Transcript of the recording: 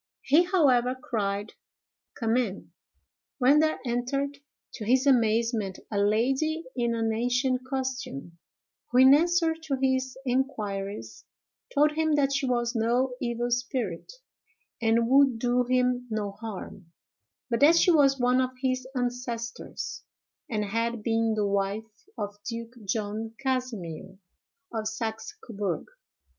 He, however, cried, "Come in!" when there entered, to his amazement, a lady in an ancient costume, who, in answer to his inquiries, told him that she was no evil spirit, and would do him no harm; but that she was one of his ancestors, and had been the wife of Duke John Casimer, of Saxe Coburg.